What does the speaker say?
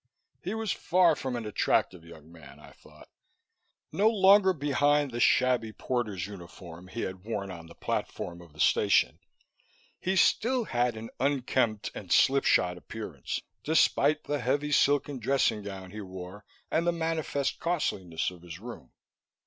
He was far from an attractive young man, I thought. No longer behind the shabby porter's uniform he had worn on the platform of the station, he still had an unkempt and slipshod appearance, despite the heavy silken dressing gown he wore and the manifest costliness of his room.